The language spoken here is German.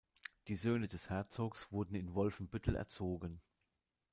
Die Söhne des Herzogs wurden in Wolfenbüttel erzogen.